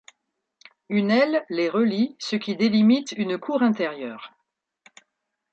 Une aile les relie ce qui délimite une cour intérieure.